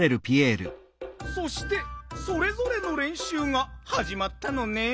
そしてそれぞれのれんしゅうがはじまったのねん。